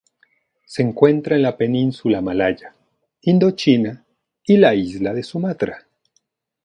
Se encuentra en la península malaya, Indochina y la isla de Sumatra.